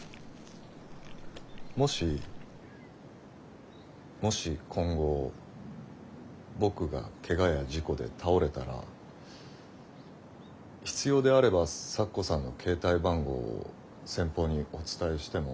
もしもし今後僕がケガや事故で倒れたら必要であれば咲子さんの携帯番号を先方にお伝えしても。